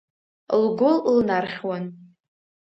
Лгәы лнархьуан.